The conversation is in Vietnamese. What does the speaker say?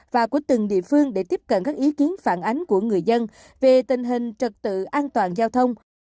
và của từng địa phương để tiếp cận các ý kiến phản ánh của người dân về tình hình trật tự an toàn giao thông